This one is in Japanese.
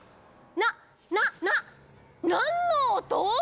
ななななんのおと？